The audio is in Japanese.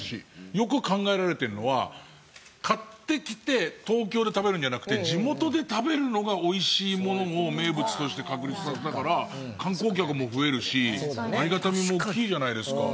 よく考えられてるのは買ってきて東京で食べるんじゃなくて地元で食べるのが美味しいものを名物として確立させたから観光客も増えるしありがたみも大きいじゃないですか。